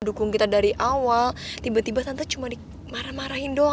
dukung kita dari awal tiba tiba tante cuma dimarah marahin doang